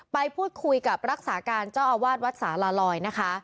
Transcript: ไปพูดคุยกับรักษาการเจ้าอาวาสวัดสาลาลอยนะคะ